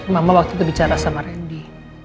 mama waktu itu bicara sama randy